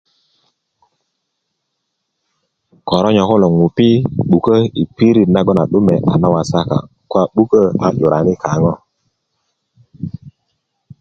koro'yo kulo ŋupi 'bukö yi pirit nagon a 'dume na wasaka ko a'bukö a 'yurani kaŋo